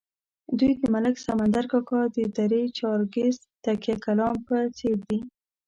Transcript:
دوی د ملک سمندر کاکا د درې چارکیز تکیه کلام په څېر دي.